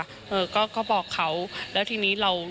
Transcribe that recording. อ่าเดี๋ยวฟองดูนะครับไม่เคยพูดนะครับ